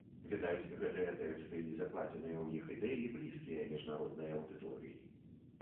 Відаць, гэтыя тэксты і закладзеныя ў іх ідэі блізкія міжнароднай аўдыторыі.